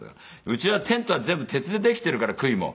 「うちはテントは全部鉄でできてるからクイも」。